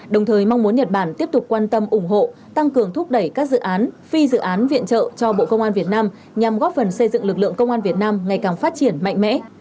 đồng thời mong muốn nhật bản tiếp tục quan tâm ủng hộ tăng cường thúc đẩy các dự án phi dự án viện trợ cho bộ công an việt nam nhằm góp phần xây dựng lực lượng công an việt nam ngày càng phát triển mạnh mẽ